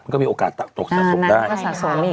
มันก็มีโอกาสตกสะสมได้